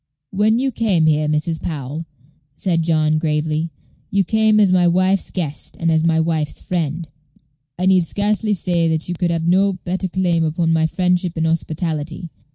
"When you came here, Mrs. Powell," said John, gravely, "you came as my wife's guest and as my wife's friend. I need scarcely say that you could have had no better claim upon my friendship and hospitality.